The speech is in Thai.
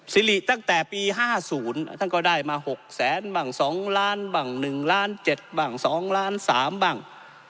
สิริตั้งแต่ปี๕๐ท่านก็ได้มา๖แสนบ้าง๒ล้านบ้าง๑ล้าน๗บ้าง๒ล้าน๓บ้าง